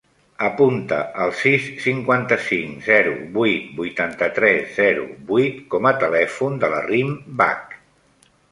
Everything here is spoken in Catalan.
Apunta el sis, cinquanta-cinc, zero, vuit, vuitanta-tres, zero, vuit com a telèfon de la Rim Bach.